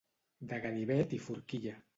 De ganivet i forquilla.